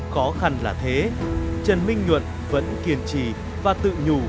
khó khăn là thế trần minh nhuận vẫn kiên trì và tự nhủ